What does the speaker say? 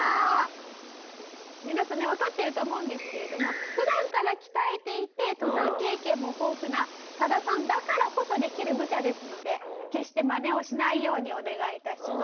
皆さんねわかってるとは思うんですけれども普段から鍛えていて登山経験も豊富なサダさんだからこそできるむちゃですので決してマネをしないようにお願い致します。